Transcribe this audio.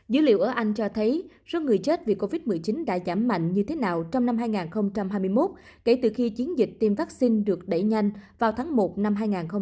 dữ liệu ở anh cho thấy số người chết vì covid một mươi chín đã giảm mạnh như thế nào trong năm hai nghìn hai mươi một kể từ khi chiến dịch tiêm vaccine được đẩy nhanh vào tháng một năm hai nghìn hai mươi